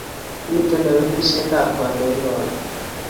Miten lewenisheab kandoik karun